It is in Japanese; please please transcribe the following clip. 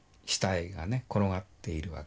転がっているわけですよ。